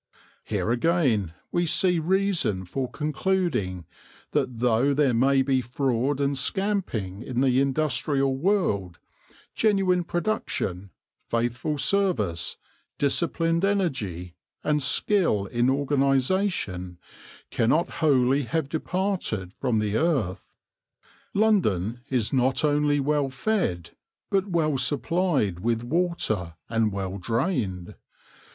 Here again we see reason for concluding that though there may be fraud and scamping in the industrial world, genuine production, faithful service, disciplined energy, and skill in organization cannot wholly have departed from the earth. London is not only well fed, but well supplied with water and well drained.